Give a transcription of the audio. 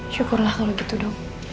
syukurlah kalau gitu dong